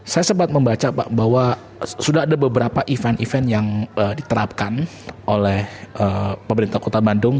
saya sempat membaca pak bahwa sudah ada beberapa event event yang diterapkan oleh pemerintah kota bandung